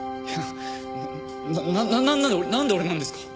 なななんで俺なんで俺なんですか？